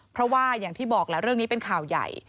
เพราะว่าอย่างที่บอกแหละเรื่องนี้เป็นข่าวใหญ่